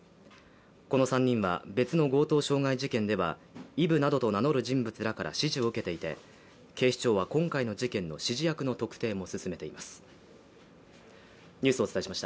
この３人は別の強盗傷害事件ではイブなどと名乗る人物らから指示を受けていて警視庁は今回の事件の指示役の特定も進めています。